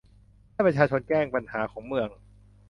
ให้ประชาชนแจ้งปัญหาของเมือง